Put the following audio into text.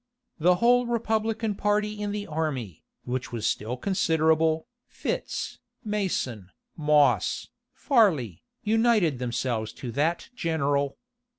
The whole republican party in the army, which was still considerable, Fitz, Mason, Moss, Farley, united themselves to that general.